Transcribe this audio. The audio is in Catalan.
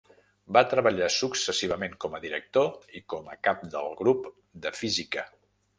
Va treballar successivament com a director i com a cap del grup de física.